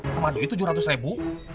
sama duit tujuh ratus ribu